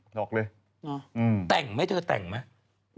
หลอกเลยแต่งไหมเธอแต่งไหม